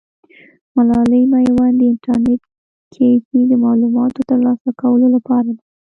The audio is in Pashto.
ملالۍ میوندي انټرنیټ کیفې د معلوماتو ترلاسه کولو لپاره ده.